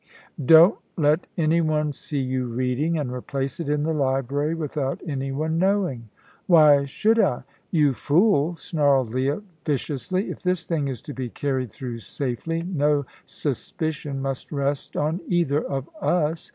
"Don't let any one see you reading, and replace it in the library without any one knowing." "Why should I?" "You fool," snarled Leah, viciously; "if this thing is to be carried through safely, no suspicion must rest on either of us.